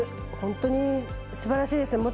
本当にすばらしいです。